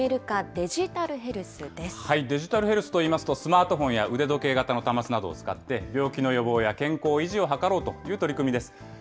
デジタルヘルスでデジタルヘルスといいますと、スマートフォンや腕時計型の端末などを使って、病気の予防や健康維持を図ろうという取り組みです。